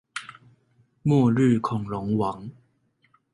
末日恐龍王